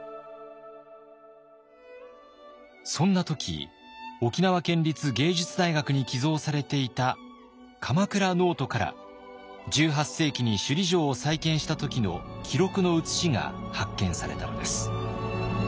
そんな時沖縄県立芸術大学に寄贈されていた鎌倉ノートから１８世紀に首里城を再建した時の記録の写しが発見されたのです。